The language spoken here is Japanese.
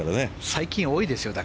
最近、多いですよ